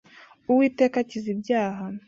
Uwiteka akiza ibyaha.